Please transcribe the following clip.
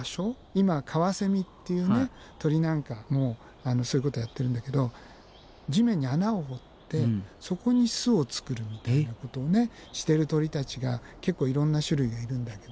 今カワセミっていう鳥なんかもそういうことやってるんだけど地面に穴を掘ってそこに巣を作るみたいなことをしてる鳥たちが結構いろんな種類がいるんだけど。